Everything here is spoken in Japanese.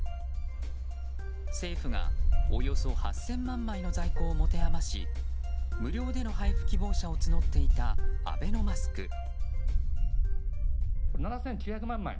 政府がおよそ８０００万枚の在庫を持て余し無料での配布希望者を募っていたアベノマスク。